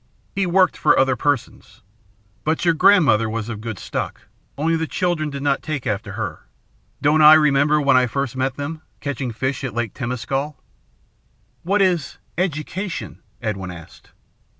He worked for other persons. But your grandmother was of good stock, only the children did not take after her. Don't I remember when I first met them, catching fish at Lake Temescal?" "What is education?" Edwin asked.